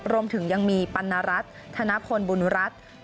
รวมถึงยังมีปัณรัฐธนพลบุญรัฐ